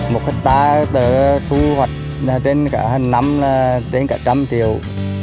mấy hectare xuất hoạt trên khả năm trên cả trăm triệu